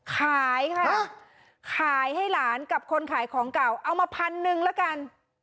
ขายค่ะขายให้หลานกับคนขายของเก่าเอามาพันหนึ่งละกัน